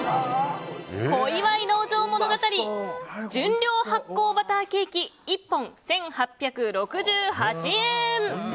小岩井農場物語純良醗酵バターケーキ１本、１８６８円！